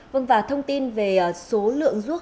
vâng và thông tin về số lượng ruốc